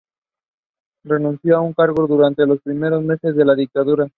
Renunció a su cargo durante los primeros meses de la dictadura.